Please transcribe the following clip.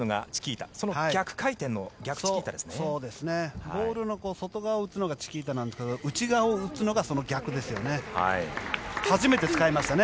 ボールの外側を打つのがチキータなんですけど内側を打つのがその逆ですよね。